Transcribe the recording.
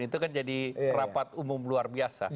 itu kan jadi rapat umum luar biasa